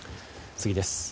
次です。